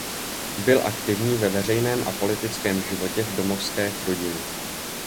Byl aktivní ve veřejném a politickém životě v domovské Chrudimi.